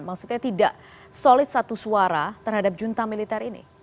maksudnya tidak solid satu suara terhadap junta militer ini